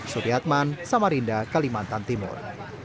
sobhi atman samarinda kalimantan timur